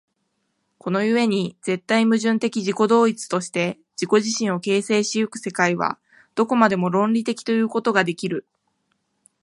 この故に絶対矛盾的自己同一として自己自身を形成し行く世界は、どこまでも論理的ということができる。